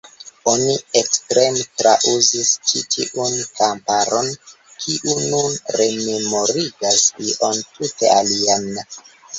Oni ekstreme trouzis ĉi tiun komparon, kiu nun rememorigas ion tute alian.